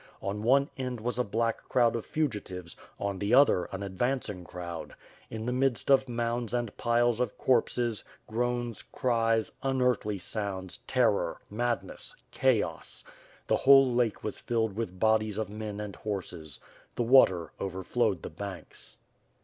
On one end was a black crowd of fugitives, on the other an advancing crowd. In the midst of mounds and piles of corpses, groans, cries, unearthly sounds, terror, madness, chaos. The whole lake was filled with bodies of men and horses. The water overflowed the banks.